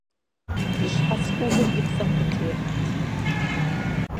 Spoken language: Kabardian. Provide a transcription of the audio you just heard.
И щхьэц ӏувыр и плӏэм къытехьэрт.